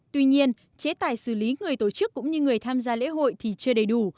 tuy nhiên chế tài xử lý người tổ chức cũng như người tham gia lễ hội thì chưa đầy đủ